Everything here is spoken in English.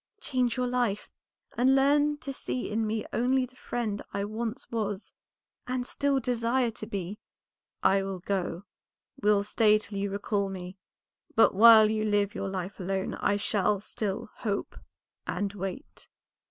Change your life, and learn to see in me only the friend I once was and still desire to be." "I will go, will stay till you recall me, but while you live your life alone I shall still hope and wait."